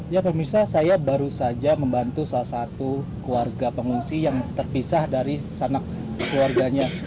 ya pemirsa saya baru saja membantu salah satu keluarga pengungsi yang terpisah dari sanak keluarganya